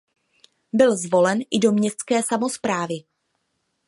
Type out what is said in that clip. Byl zvolen i do městské samosprávy.